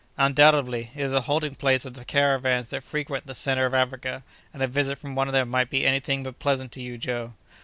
"Undoubtedly; it is a halting place for the caravans that frequent the centre of Africa, and a visit from one of them might be any thing but pleasant to you, Joe."